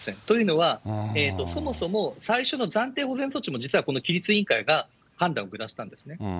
というのは、そもそも最初の暫定保全措置も、実はこの規律委員会が判断を下したんですね。